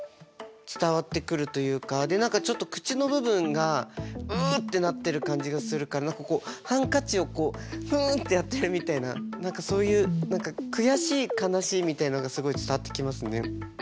で何かちょっと口の部分がうってなってる感じがするからハンカチをふんってやってるみたいなそういう悔しい悲しいみたいなのがすごい伝わってきますね。